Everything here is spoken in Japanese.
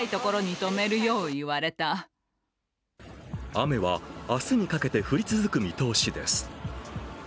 雨は明日にかけて降り続く見通しです。